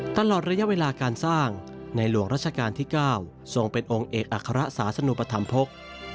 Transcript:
ตลอดระยะเวลาการสร้างในหลวงราชการที่๙ทรงเป็นองค์เอกอัคระสาสนุปธรรมภก